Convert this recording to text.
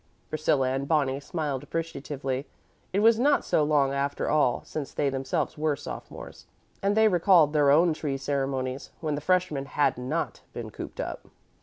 Priscilla and Bonnie smiled appreciatively. It was not so long, after all, since they themselves were sophomores, and they recalled their own tree ceremonies, when the freshmen had not been cooped up.